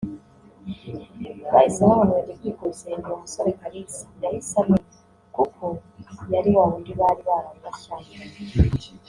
bahise babona urugi rwikubise hinjira umusore Kalisa yahise amenya kuko yari wa wundi bari baraye bashyamiranye